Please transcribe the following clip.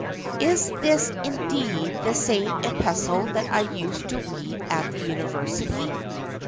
'Is this indeed the same epistle that I used to read at the university?